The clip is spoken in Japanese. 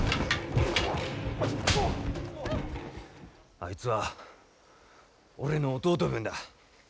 あいつは俺の弟分だ。